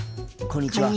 こんにちは。